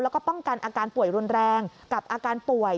แล้วก็ป้องกันอาการป่วยรุนแรงกับอาการป่วย